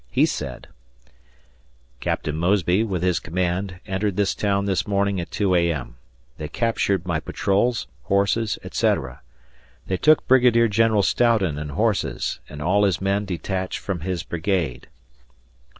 He said: Captain Mosby, with his command, entered this town this morning at 2 A.M. They captured my patrols, horses, etc. They took Brigadier General Stoughton and horses, and all his men detached from his brigade.